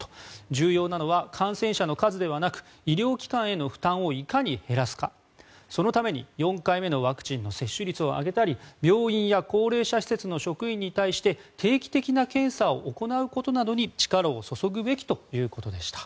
重要なのは感染者の数ではなく医療機関への負担をいかに減らすかそのために４回目のワクチンの接種率を上げたり病院や高齢者施設の職員に対して定期的な検査を行うことなどに力を注ぐべきということでした。